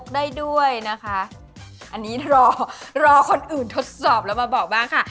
ได้ด้วยนะคะอันนี้รอรอคนอื่นทดสอบแล้วมาบอกบ้างค่ะ